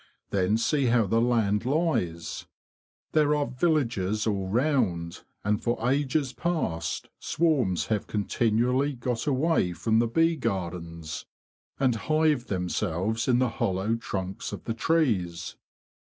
Then see how the land lies. There are villages all round, and for ages past swarms have continually got away from the bee gardens, and hived themselves in the hollow trunks 73 74. THE BEE MASTER OF WARRILOW of the trees.